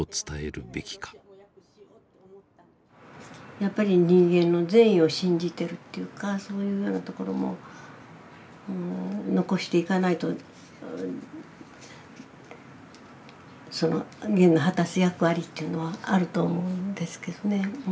やっぱり人間の善意を信じてるというかそういうようなところも残していかないとゲンの果たす役割というのはあると思うんですけどね。